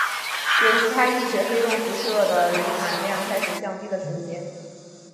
有时它亦指黑洞辐射的熵含量开始降低的瞬间。